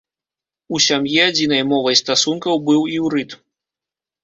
У сям'і адзінай мовай стасункаў быў іўрыт.